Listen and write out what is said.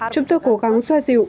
chúng tôi cố gắng xoa dịu